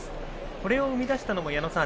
これを生み出したのも矢野さん